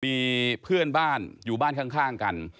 มีเพื่อนบ้านอยู่บ้านข้างกัน